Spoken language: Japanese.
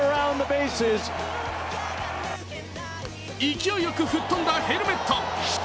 勢いよく吹っ飛んだヘルメット。